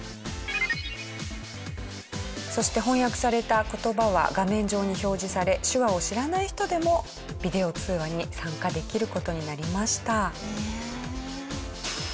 そして翻訳された言葉は画面上に表示され手話を知らない人でもビデオ通話に参加できる事になりました。